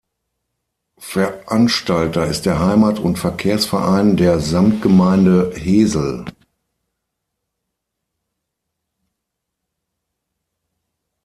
Veranstalter ist der Heimat- und Verkehrsverein der Samtgemeinde Hesel.